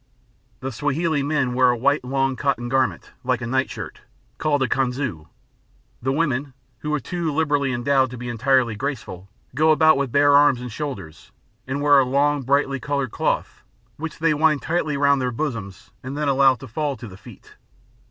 The Swahili men wear a long white cotton garment, like a night shirt, called a kanzu; the women who are too liberally endowed to be entirely graceful go about with bare arms and shoulders, and wear a long brightly coloured cloth which they wind tightly round their bosoms and then allow to fall to the feet.